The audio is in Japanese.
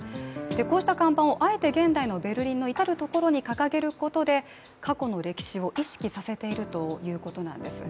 こうした看板をあえて現代のベルリンの至る所に掲げることで過去の歴史を意識させているということなんです。